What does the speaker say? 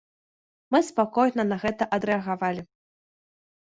Мы спакойна на гэта адрэагавалі.